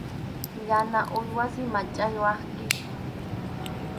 Yana uywasi, machʼaqway kikin.